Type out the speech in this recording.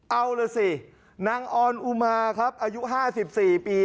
เอาล่ะสินางออนอุมาครับอายุ๕๔ปี